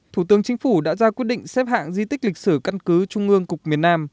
thủ tướng chính phủ đã ra quyết định xếp hạng di tích lịch sử căn cứ trung ương cục miền nam